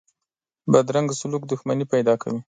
بدرنګه سلوک دښمني پیدا کوي